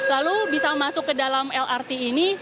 lalu bisa masuk ke dalam lrt ini